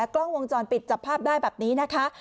กล้องวงจรปิดจับภาพได้แบบนี้นะคะ